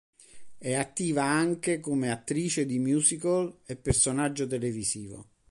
È attiva anche come attrice di musical e personaggio televisivo.